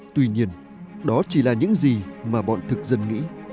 tuy nhiên đó chỉ là những gì mà bọn thực dân nghĩ